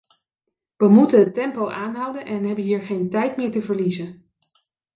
We moeten het tempo aanhouden en hebben geen tijd meer te verliezen!